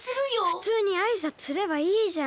ふつうにあいさつすればいいじゃん。